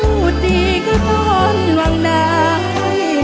พูดดีก็ต้อนว่างได้